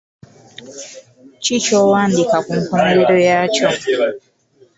Ki ky'owandiika ku nkomerero yakyo?